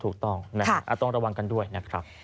ถูกต้องนะครับต้องระวังกันด้วยนะครับ